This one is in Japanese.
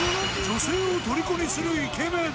女性を虜にするイケメン。